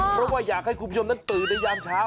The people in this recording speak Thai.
เพราะว่าอยากให้คุณผู้ชมนั้นตื่นในยามเช้า